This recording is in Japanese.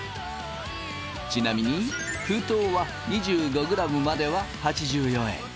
ちなみに封筒は２５ｇまでは８４円。